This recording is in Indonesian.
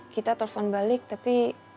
kita telpon balik tapi